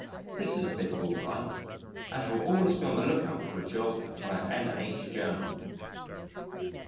"] This is a bit of all right. I shall always be on the look out for a job on a N.H. Journal.